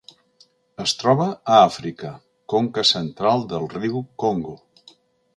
Es troba a Àfrica: conca central del riu Congo.